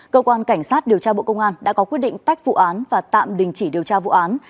cơ quan cảnh sát điều tra bộ công an đã có quyết định tách vụ án và tạm đình chỉ điều tra vụ án